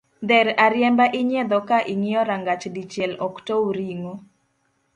Dher ariemba inyiedho ka ingiyo rangach dichiel ok tow ringo